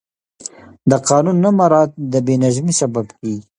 د قانون نه مراعت د بې نظمي سبب کېږي